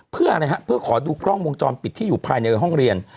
เพื่ออะไรฮะเพื่อขอดูกล้องวงจรปิดที่อยู่ภายในห้องเรียน